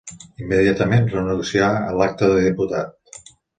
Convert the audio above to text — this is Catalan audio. Immediatament, renuncià a l'acta de diputat.